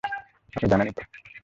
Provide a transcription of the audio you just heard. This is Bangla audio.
আপনি জানেনই তো?